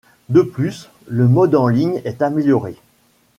De plus, le mode en ligne est amélioré.